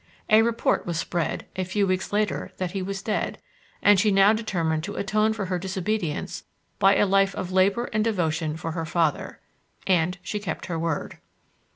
A report was spread, a few weeks later, that he was dead, and she now determined to atone for her disobedience by a life of labour and devotion for her father. And she kept her word.